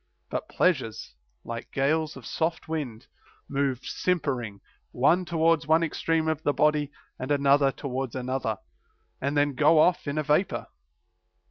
But pleasures, like gales of soft wind, move simpering, one towards one extreme of the body and another towards another, and then go off in a vapor.